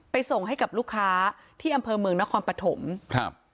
ส่งให้กับลูกค้าที่อำเภอเมืองนครปฐมครับ